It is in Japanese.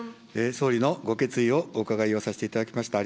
総理のご決意をお伺いをさせていただきました。